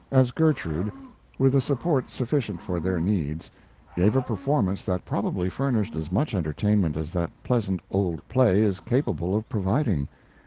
] as Gertrude, with a support sufficient for their needs, gave a performance that probably furnished as much entertainment as that pleasant old play is capable of providing.